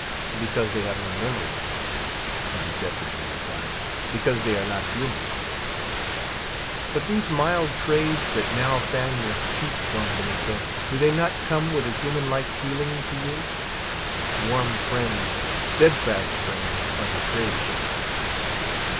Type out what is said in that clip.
"Because they have no memory," he dejectedly replied; "because they are not human." "But these mild trades that now fan your cheek, do they not come with a human like healing to you? Warm friends, steadfast friends are the trades."